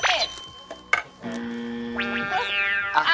ปล่อยสิปล่อยสิค่ะ